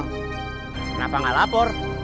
kenapa enggak lapor